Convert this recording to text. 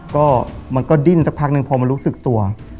ก็มันก็ดิ้นสักพักนึงพอมันรู้สึกตัว